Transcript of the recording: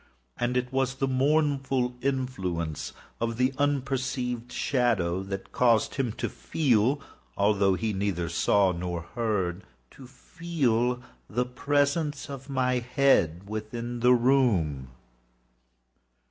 And it was the mournful influence of the unperceived shadow that caused him to feel—although he neither saw nor heard—to feel the presence of my head within the room.